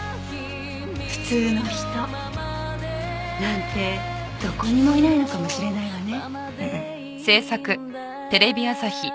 普通の人なんてどこにもいないのかもしれないわね。